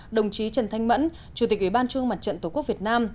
đồng chí trần thanh mẫn chủ tịch ủy ban trung mặt trận tổ quốc việt nam